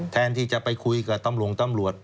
แทนที่จะไปคุยกับตำรวจตำรวจ